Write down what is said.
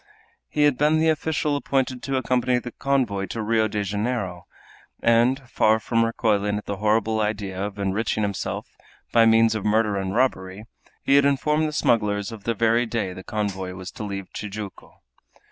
He had been the official appointed to accompany the convoy to Rio de Janeiro, and, far from recoiling at the horrible idea of enriching himself by means of murder and robbery, he had informed the smugglers of the very day the convoy was to leave Tijuco.